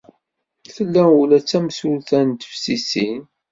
Tella ula d tamsulta n teftisin.